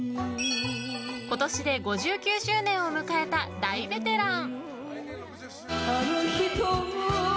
今年で５９周年を迎えた大ベテラン。